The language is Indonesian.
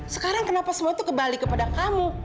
sekarang kenapa semua itu kembali kepada kamu